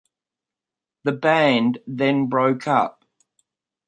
The band then broke up.